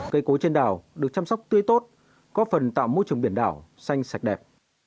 cây cố trên đảo được chăm sóc tươi tốt có phần tạo môi trường biển đảo xanh sạch đẹp